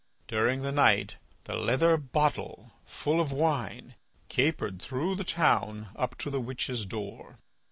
During the night the leather bottle, full of wine, capered through the town up to the witch's door.